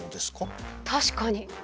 確かに。